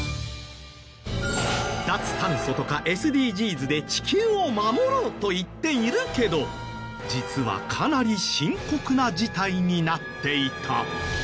脱炭素とかＳＤＧｓで地球を守ろうと言っているけど実はかなり深刻な事態になっていた。